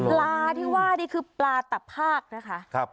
ปลาที่ว่านี่คือปลาตะภาคนะคะ